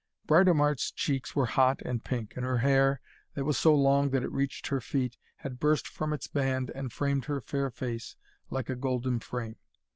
Britomart's cheeks were hot and pink, and her hair, that was so long that it reached her feet, had burst from its band and framed her fair face like a golden frame.